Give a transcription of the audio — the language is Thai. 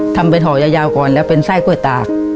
ทำเป็นห่อยาวก่อนแล้วเป็นไส้กล้วยตาก